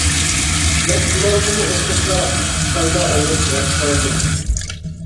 مەن ئۇلارغىمۇ ئوخشاشلا پايدا ئايرىپ بەردىم.